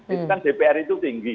itu kan dpr itu tinggi